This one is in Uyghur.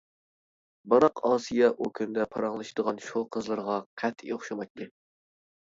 بىراق ئاسىيە ئۇ كۈندە پاراڭلىشىدىغان شۇ قىزلىرىغا قەتئىي ئوخشىمايتتى.